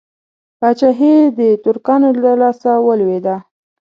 پاچهي د ترکانو د لاسه ولوېده.